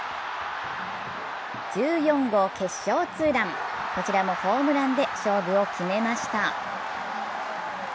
１４号決勝ツーラン、こちらもホームランで勝負を決めました。